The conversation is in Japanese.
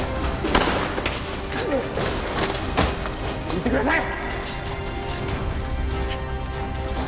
行ってください！